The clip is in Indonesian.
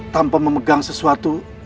tanpa memegang sesuatu